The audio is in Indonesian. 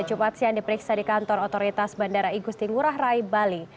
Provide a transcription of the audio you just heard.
jumat siang diperiksa di kantor otoritas bandara igusti ngurah rai bali